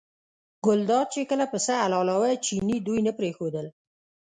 ګلداد چې کله پسه حلالاوه چیني دوی نه پرېښودل.